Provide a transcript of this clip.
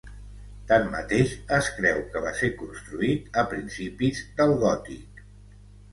Tanmateix, es creu que va ser construït a principis del Gòtic.